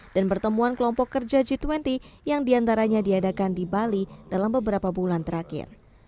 pertemuan kelompok kerja g dua puluh yang diantaranya diadakan di bali dalam beberapa bulan terakhir